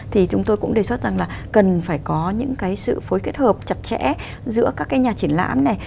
thì chúng tôi cũng đề xuất rằng là cần phải có những cái sự phối kết hợp chặt chẽ giữa các cái nhà triển lãm này